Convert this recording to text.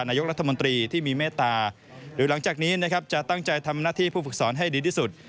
นายกรัฐมนตรีที่มีเมตตาหรือหลังจากนี้นะครับจะตั้งใจทำหน้าที่ผู้ฝึกสอนให้ดีที่สุด